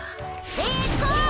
えっと！